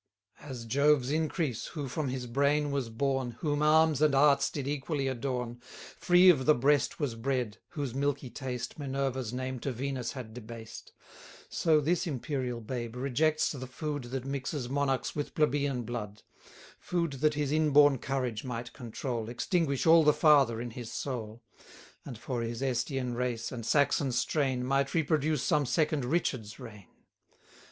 As Jove's increase, who from his brain was born, Whom arms and arts did equally adorn, 210 Free of the breast was bred, whose milky taste Minerva's name to Venus had debased; So this imperial babe rejects the food That mixes monarch's with plebeian blood: Food that his inborn courage might control, Extinguish all the father in his soul, And, for his Estian race, and Saxon strain, Might reproduce some second Richard's reign.